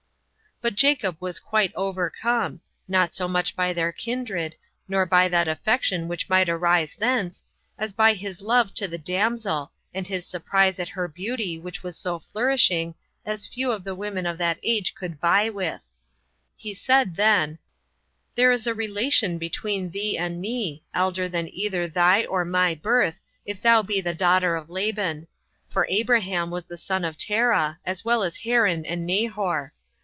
5. But Jacob was quite overcome, not so much by their kindred, nor by that affection which might arise thence, as by his love to the damsel, and his surprise at her beauty, which was so flourishing, as few of the women of that age could vie with. He said then, "There is a relation between thee and me, elder than either thy or my birth, if thou be the daughter of Laban; for Abraham was the son of Terah, as well as Haran and Nahor.